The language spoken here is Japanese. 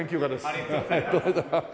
ありがとうございます。